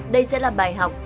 đây sẽ là bài học